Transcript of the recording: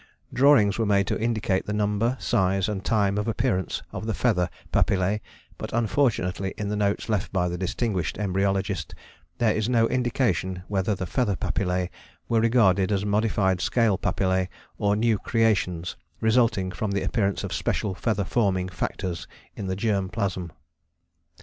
Drawings were made to indicate the number, size and time of appearance of the feather papillae, but unfortunately in the notes left by the distinguished embryologist there is no indication whether the feather papillae were regarded as modified scale papillae or new creations resulting from the appearance of special feather forming factors in the germ plasm.